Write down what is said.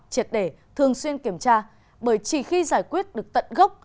triệt để thường xuyên kiểm tra bởi chỉ khi giải quyết được tận gốc